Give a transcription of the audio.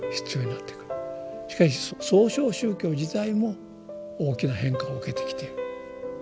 しかし創唱宗教自体も大きな変化を受けてきている。